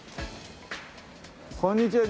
こんにちは。